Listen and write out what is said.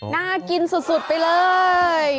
น่ากินสุดไปเลย